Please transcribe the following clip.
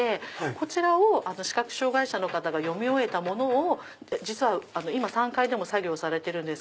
こちらを視覚障害者の方が読み終えたものを実は今３階でも作業されてるんですけど。